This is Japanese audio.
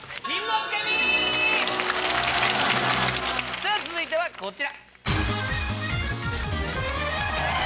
さぁ続いてはこちら。